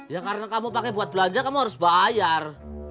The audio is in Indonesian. ya karena kamu pakai buat belanja kamu harus bayar